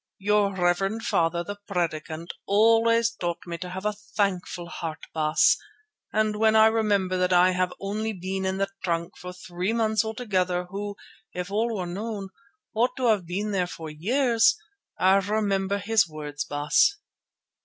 Your reverend father, the Predikant, always taught me to have a thankful heart, Baas, and when I remember that I have only been in the trunk for three months altogether who, if all were known, ought to have been there for years, I remember his words, Baas."